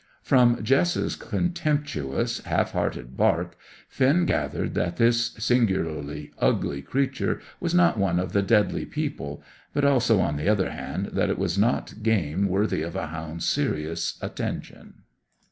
From Jess's contemptuous, half hearted bark, Finn gathered that this singularly ugly creature was not one of the deadly people, but also, on the other hand, that it was not game worthy of a hound's serious attention.